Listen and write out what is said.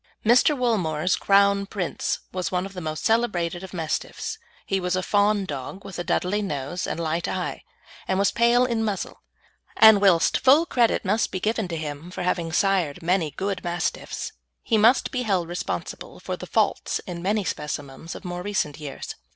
Mr. Woolmore's Crown Prince was one of the most celebrated of Mastiffs. He was a fawn dog with a Dudley nose and light eye, and was pale in muzzle, and whilst full credit must be given to him for having sired many good Mastiffs, he must be held responsible for the faults in many specimens of more recent years.